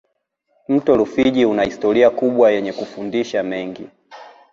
mto rufiji una historia kubwa yenye kufundisha mengi